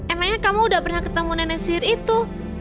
emangnya kamu udah pernah ketemu nenek sihir itu